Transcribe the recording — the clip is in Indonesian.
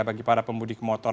bagi para pemudik motor